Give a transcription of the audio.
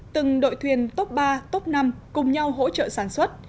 từng đội thuyền tốc ba tốc năm cùng nhau hỗ trợ sản xuất